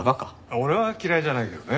俺は嫌いじゃないけどね。